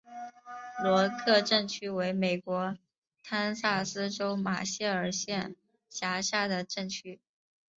罗克镇区为美国堪萨斯州马歇尔县辖下的镇区。